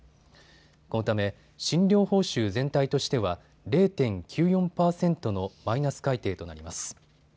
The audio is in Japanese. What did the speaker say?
このため診療報酬全体としては０．９４％のマイナス改定となります。